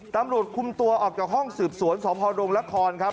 ตำรวจคุมตัวออกจากห้องสืบสวนสพดงละครครับ